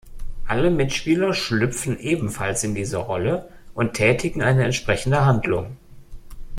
Alle Mitspieler "schlüpfen" ebenfalls in diese Rolle und tätigen eine entsprechende Handlung.